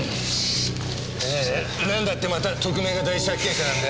ああなんだってまた特命が第一発見者なんだよ。